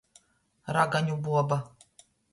Ragaņu buoba.